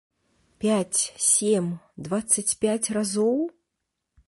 Пяць, сем, дваццаць пяць разоў?